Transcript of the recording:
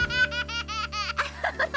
アハハハ。